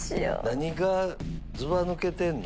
何がずばぬけてんの？